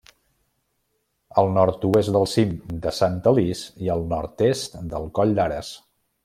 Al nord-oest del cim de Sant Alís i al nord-est del Coll d'Ares.